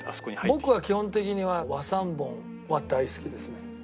僕は基本的には和三盆は大好きですね。